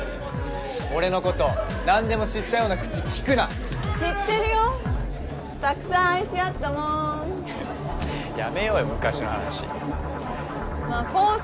俺のこと何でも知ったような口利くな知ってるよたくさん愛し合ったもんやめようよ昔の話まぁ康祐